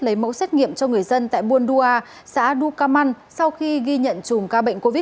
lấy mẫu xét nghiệm cho người dân tại buôn đua xã đu cà măn sau khi ghi nhận chủng ca bệnh covid một mươi chín